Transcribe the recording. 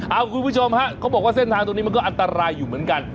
เอาคุณผู้ชมฮะเขาบอกว่าเส้นทางตรงนี้มันก็อันตรายอยู่เหมือนกัน